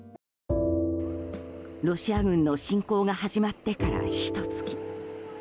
ロシア軍の侵攻が始まってからひと月。